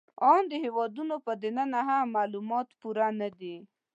آن د هېوادونو په دننه کې هم معلومات پوره نهدي